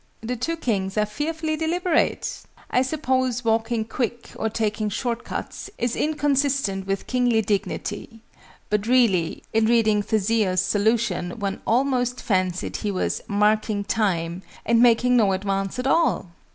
The two Kings are fearfully deliberate! I suppose walking quick, or taking short cuts, is inconsistent with kingly dignity: but really, in reading THESEUS' solution, one almost fancied he was "marking time," and making no advance at all!